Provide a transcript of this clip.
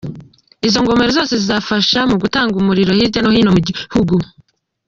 Izi ngomero zose zizafasha mu gutanga umuriro hirya no hino mu gihugu.